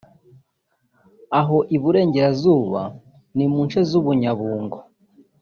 Aho i-Burengerazuba ni mu nce z’u-Bunyabungo